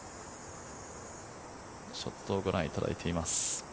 ショットをご覧いただいています。